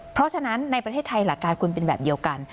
เพราะฉะนั้นในประเทศไทยหลักการคุณเป็นแบบเดียวกัน